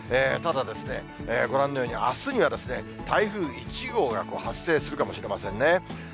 ただ、ご覧のようにあすには台風１号が発生するかもしれませんね。